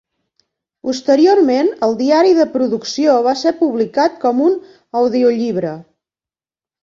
Posteriorment el diari de producció va ser publicat com un audiollibre.